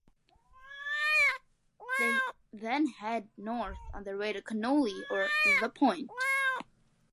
They then head north on their way to Connolly or The Point.